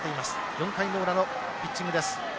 ４回の裏のピッチングです。